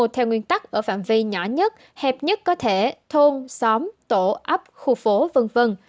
theo nguyên tắc ở phạm vi nhỏ nhất hẹp nhất có thể thôn xóm tổ ấp khu phố v v